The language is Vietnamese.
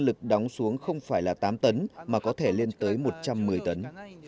lực đóng xuống không phải là tám tấn mà có thể lên tới một trăm một mươi tấn